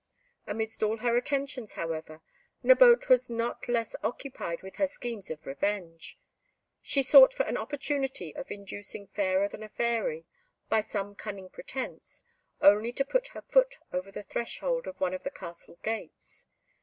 Amidst all her attentions, however, Nabote was not less occupied with her schemes of revenge; she sought for an opportunity of inducing Fairer than a Fairy, by some cunning pretence, only to put her foot over the threshold of one of the castle gates.